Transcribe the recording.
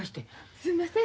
すんません。